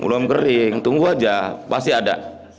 belum kering tunggu aja pasti ada